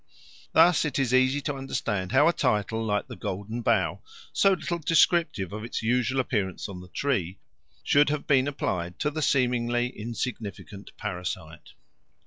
Thus it is easy to understand how a title like the Golden Bough, so little descriptive of its usual appearance on the tree, should have been applied to the seemingly insignificant parasite.